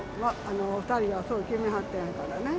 お２人がそう決めはったんやからね。